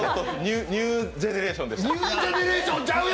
ニュージェネレーションでした。